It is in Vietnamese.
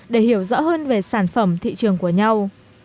để hiểu rõ hơn về sản phẩm thị trường của nhau